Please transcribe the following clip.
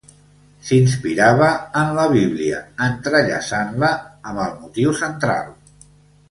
S'inspirava en la Bíblia, entrellaçant-la amb el motiu central.